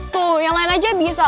tuh yang lain aja bisa